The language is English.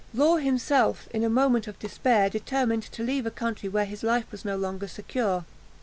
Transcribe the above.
Law himself, in a moment of despair, determined to leave a country where his life was no longer secure.